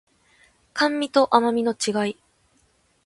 甘味と甘味の違い